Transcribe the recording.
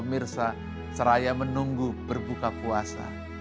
mirsa seraya menunggu berbuka puasa